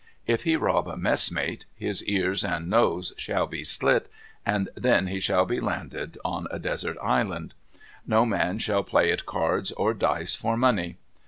If he rob a messmate, his ears and nose shall be slit, and then he shall be landed on a desert island. No man shall play at cards or dice for money.